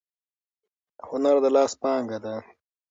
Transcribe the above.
هنر د لاس پانګه ده.